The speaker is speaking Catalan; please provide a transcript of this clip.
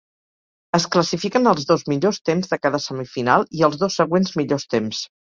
Es classifiquen els dos millors temps de cada semifinal i els dos següents millors temps.